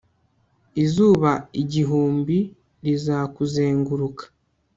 izuba igihumbi rizakuzenguruka